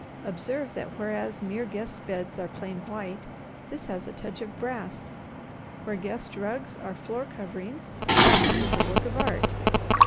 Observe that whereas mere guest beds are plain white, this has a touch of brass. Where guest rugs are floor coverings, this is a work of art.